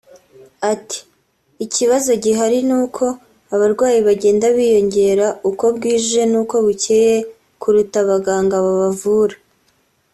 Ati “Ikibazo gihari ni uko abarwayi bagenda biyongera uko bwije n’uko bucyeye kuruta abaganga babavura